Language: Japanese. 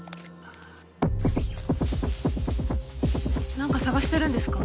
なんか探してるんですか？